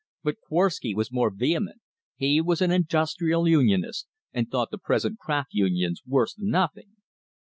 But Korwsky was more vehement; he was an industrial unionist, and thought the present craft unions worse than nothing.